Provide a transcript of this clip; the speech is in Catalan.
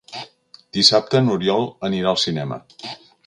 Dissabte n'Oriol anirà al cinema.